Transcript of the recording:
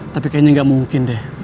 tapi kayaknya nggak mungkin deh